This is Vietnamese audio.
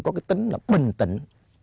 có cái tính là bình tĩnh